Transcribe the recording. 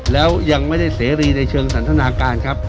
แล้วยังไม่ได้เสรีในเชิงสันทนาการครับ